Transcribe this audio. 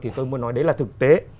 thì tôi muốn nói đấy là thực tế